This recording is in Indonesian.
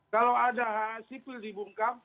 kalau ada sipil dibungkam